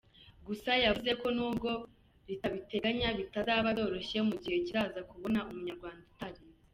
Gusa yavuze ko n’ubwo ritabiteganya bitazaba byoroshye mu gihe kizaza kubona Umunyarwanda utarize.